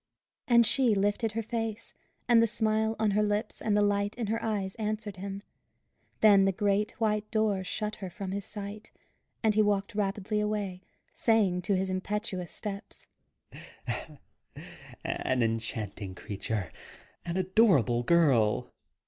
And she lifted her face, and the smile on her lips and the light in her eyes answered him. Then the great white door shut her from his sight, and he walked rapidly away, saying to his impetuous steps "An enchanting creature! An adorable girl!